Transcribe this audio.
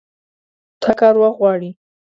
دا کار وخت غواړي.